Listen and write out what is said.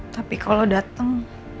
tapi kalau datang